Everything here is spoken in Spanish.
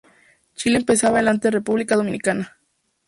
Chile empezaba en la ante República Dominicana.